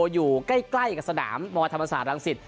อยู่ใกล้กับสนามมธรรมศาสตรังสิต